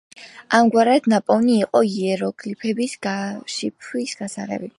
ამგვარად ნაპოვნი იყო იეროგლიფების გაშიფვრის გასაღები.